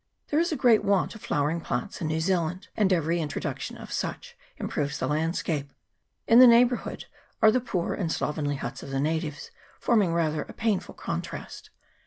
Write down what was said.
There is a great want of flowering plants in New Zealand, and every introduction of such improves the landscape. In the neighbour hood are the poor and slovenly huts of the natives, forming rather a painful contrast.